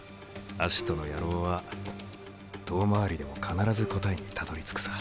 アシトの野郎は遠回りでも必ず答えにたどりつくさ。